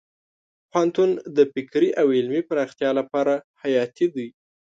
پوهنتون د فکري او علمي پراختیا لپاره حیاتي دی.